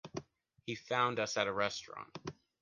He found us at a restaurant.